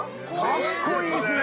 ・カッコイイっすね。